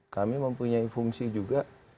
kami mempunyai fungsi juga